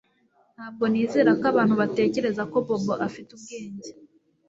Ntabwo nizera ko abantu batekereza ko Bobo afite ubwenge